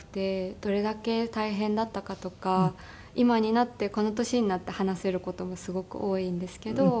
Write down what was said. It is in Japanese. どれだけ大変だったかとか今になってこの年になって話せる事もすごく多いんですけど。